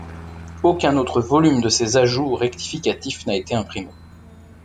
Aucun autre volume de ces ajouts ou rectificatifs n'a été imprimé.